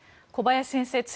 小林先生